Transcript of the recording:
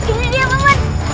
ini dia paman